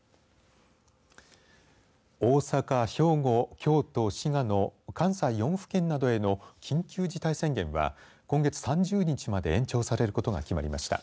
大阪、兵庫、京都、滋賀の関西４府県などへの緊急事態宣言は今月３０日まで延長されることが決まりました。